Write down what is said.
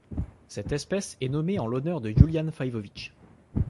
Cette espèce est nommée en l'honneur de Julián Faivovich.